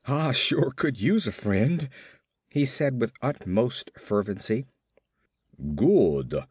"Ah sure could use a friend," he said with utmost fervency. "Good!"